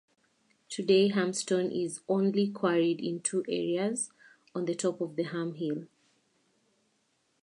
Today hamstone is only quarried in two areas on the top of Ham Hill.